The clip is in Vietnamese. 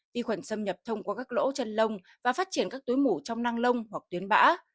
vi khuẩn xâm nhập thông qua các lỗ chân lông và phát triển các túi mủ trong năng lông hoặc tuyến bã